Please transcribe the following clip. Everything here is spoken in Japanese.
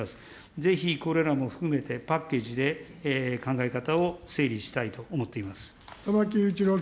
ぜひこれらも含めて、パッケージで考え方を整理したいと思ってい玉木雄一郎君。